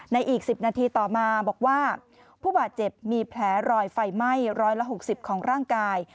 ในอีกสิบนาทีต่อมาบอกว่าผู้บาดเจ็บมีแผลรอยไฟไหม้ร้อยละหกสิบของร่างกาย